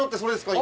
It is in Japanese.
今。